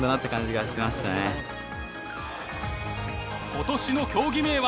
今年の競技名は。